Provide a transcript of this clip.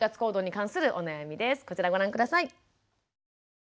こちらご覧下さい。